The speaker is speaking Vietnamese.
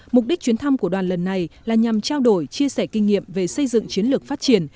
mục đích chuyến thăm của đoàn lần này là nhằm trao đổi chia sẻ kinh nghiệm về xây dựng chiến lược phát triển